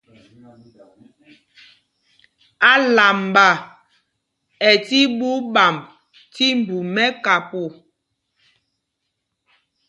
Álamba ɛ́ tí ɓuu ɓamb tí mbu mɛ́kapo.